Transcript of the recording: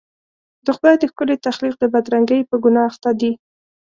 د خدای د ښکلي تخلیق د بدرنګۍ په ګناه اخته دي.